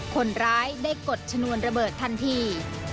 คนร้ายได้กดชนวนระเบิดทันที